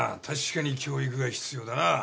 確かに教育が必要だな。